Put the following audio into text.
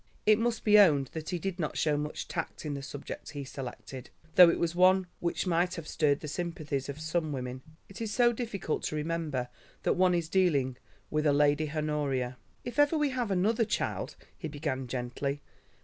It must be owned that he did not show much tact in the subject he selected, though it was one which might have stirred the sympathies of some women. It is so difficult to remember that one is dealing with a Lady Honoria. "If ever we have another child——" he began gently.